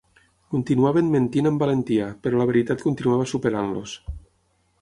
Continuaven mentint amb valentia, però la veritat continuava superant-los.